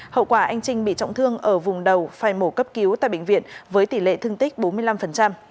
hậu quả anh trinh bị trọng thương ở vùng đầu phải mổ cấp cứu tại bệnh viện với tỷ lệ thương tích bốn mươi năm